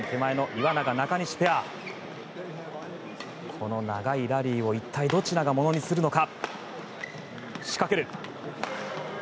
この長いラリーを一体どちらがものにするのか。